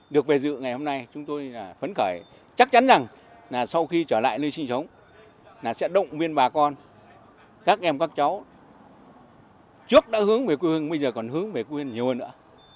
được về dự ngày hôm nay chúng tôi phấn khởi chắc chắn rằng là sau khi trở lại nơi sinh sống là sẽ động viên bà con các em các cháu trước đã hướng về quê hương bây giờ còn hướng về quê hương nhiều hơn nữa